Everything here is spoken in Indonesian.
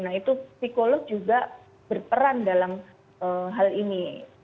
nah itu psikolog juga berperan dalam hal ini